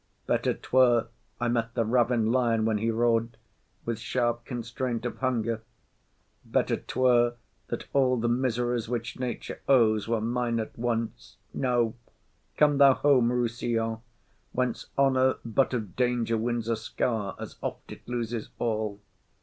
Better 'twere I met the ravin lion when he roar'd With sharp constraint of hunger; better 'twere That all the miseries which nature owes Were mine at once. No; come thou home, Rossillon, Whence honour but of danger wins a scar, As oft it loses all.